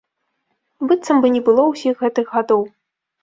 Быццам бы не было ўсіх гэтых гадоў!